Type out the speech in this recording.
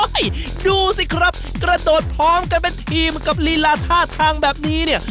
ดูสิครับกระโดดพร้อมกันเป็นทีมกับลีลาท่าทางแบบนี้เนี่ย